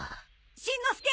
しんのすけ！